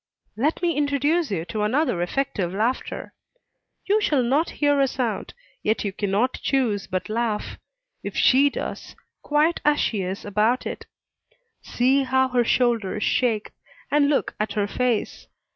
Let me introduce you to another effective laughter. You shall not hear a sound, yet you cannot choose but laugh, if she does, quiet as she is about it. See how her shoulders shake, and look at her face!